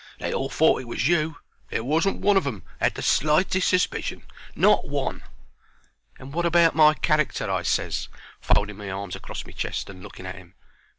"They all thought it was you. There wasn't one of 'em 'ad the slightest suspicion not one." "And wot about my character?" I ses, folding my arms acrost my chest and looking at him.